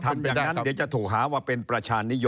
ทำอย่างนั้นเดี๋ยวจะถูกหาว่าเป็นประชานิยม